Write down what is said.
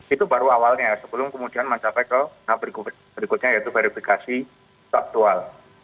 itu baru awalnya ya sebelum kemudian mencapai ke berikutnya yaitu verifikasi sektual